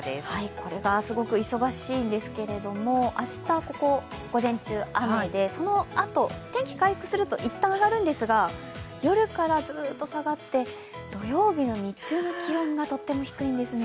これがすごく忙しいんですけれども明日午前中、雨で、そのあと天気回復するといったん、上がるんですが夜からずっと下がって土曜日の日中の気温がとっても低いんですね。